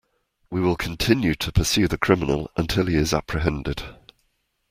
We will continue to pursue the criminal until he is apprehended.